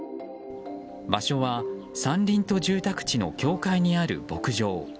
場所は山林と住宅地の境界にある牧場。